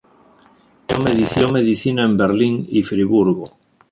Estudió medicina en Berlín y Friburgo.